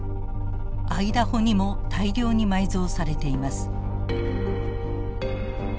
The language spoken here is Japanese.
アイダホにも大量に埋蔵されています。